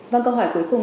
vâng câu hỏi cuối cùng